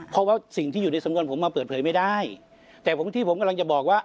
เพราะว่าสิ่งที่อยู่ในสำนวนผมมาเปิดเผยไม่ได้แต่ที่ผมกำลังจะบอกว่า